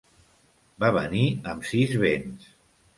Va venir amb sis bens.